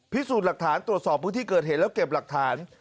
พิสูจน์หลักฐานตรวจสอบพื้นที่เกิดเหตุแล้วเก็บหลักฐาน